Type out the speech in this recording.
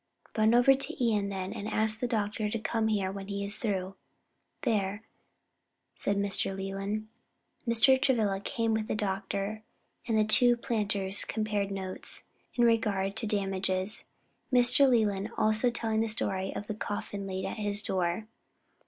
"Run over to Ion, then, and ask the doctor to come here when he is through there," said Mr. Leland. Mr. Travilla came with the doctor and the two planters compared notes, in regard to damages, Mr. Leland also telling the story of the coffin laid at his door.